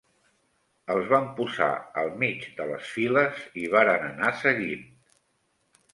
Els van posar al mig de les files i varen anar seguint.